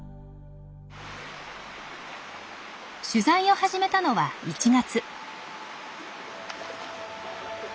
取材を始めたのは１月。